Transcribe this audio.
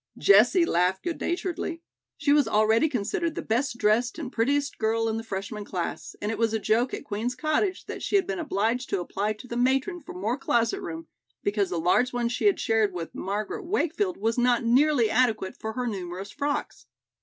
Jessie laughed good naturedly. She was already considered the best dressed and prettiest girl in the freshman class, and it was a joke at Queen's Cottage that she had been obliged to apply to the matron for more closet room, because the large one she shared with Margaret Wakefield was not nearly adequate for her numerous frocks.